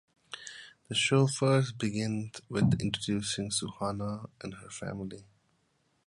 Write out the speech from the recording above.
The show first begins with introducing Suhani and her family.